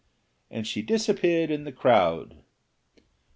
And she disappeared in the crowd.